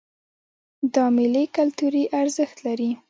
دا میلې کلتوري ارزښت لري.